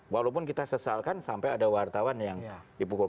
walaupun kita sesalkan sampai ada wartawan yang dipukul